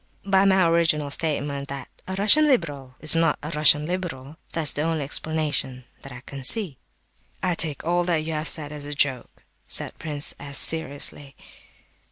_ By my original statement that a Russian liberal is not a Russian liberal—that's the only explanation that I can see." "I take all that you have said as a joke," said Prince S. seriously.